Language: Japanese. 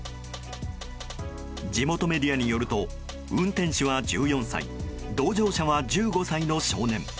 地元メディアによると運転手は１４歳同乗者は１５歳の少年。